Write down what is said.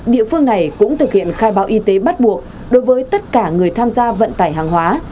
địa phương này cũng thực hiện khai báo y tế bắt buộc đối với tất cả người tham gia vận tải hàng hóa